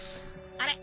あれ？